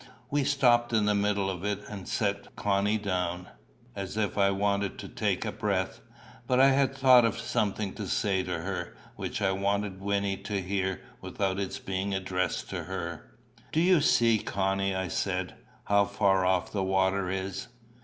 We stopped in the middle of it, and set Connie down, as if I wanted to take breath. But I had thought of something to say to her, which I wanted Wynnie to hear without its being addressed to her. "Do you see, Connie," I said, "how far off the water is?"